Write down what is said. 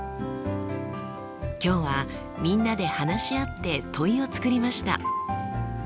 今日はみんなで話し合って問いを作りました。